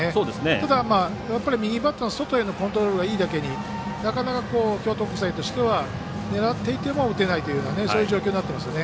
ただ、やっぱり右バッター外へのコントロールはいいだけに、なかなか京都国際としては狙っていても打てないというようなそういう状況になってますね。